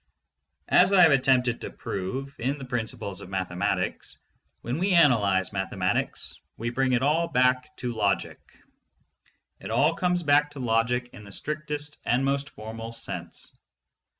As I have attempted to prove in The Principles of Mathematics, when we analyze mathematics we bring it all back to logic. It all comes back to logic in the strictest and most formal sense.